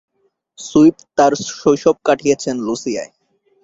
Swift তার শৈশব কাটিয়েছেন লুইসিয়ায়।